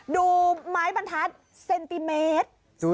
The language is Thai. ดูมายไปมาตราสเซนติเมตร